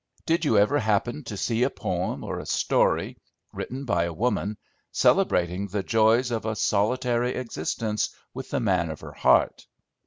Did you ever happen to see a poem or a story, written by a woman, celebrating the joys of a solitary existence with the man of her heart?"